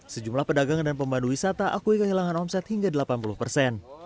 sejumlah pedagang dan pemandu wisata akui kehilangan omset hingga delapan puluh persen